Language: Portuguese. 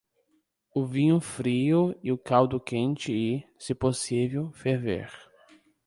O vinho frio e o caldo quente e, se possível, ferver.